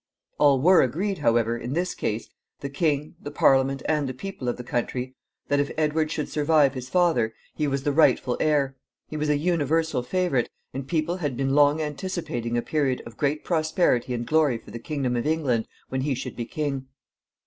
All were agreed, however, in this case the king, the Parliament, and the people of the country that if Edward should survive his father, he was the rightful heir. He was a universal favorite, and people had been long anticipating a period of great prosperity and glory for the kingdom of England when he should be king.